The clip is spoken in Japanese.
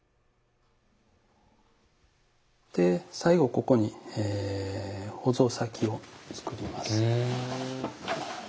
で最後ここにほぞ先を作ります。